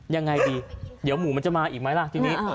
ยังไงดีเดี๋ยวหมูมันจะมาอีกไหมล่ะทีนี้